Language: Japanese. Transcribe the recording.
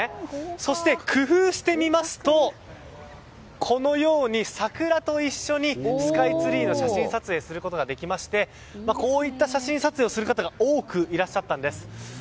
そして、工夫してみますとこのように桜と一緒にスカイツリーを写真撮影することができましてこういった写真撮影をする方が多くいらっしゃったんです。